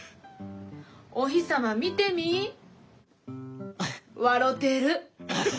お日様見てみ。笑てる。